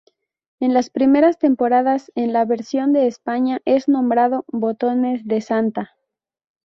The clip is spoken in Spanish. En las primeras temporadas, en la versión de España es nombrado "Botones de santa".